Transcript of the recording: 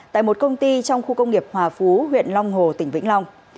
tại một công ty trong khu công nghiệp hòa phú huyện long hồ tỉnh vĩnh long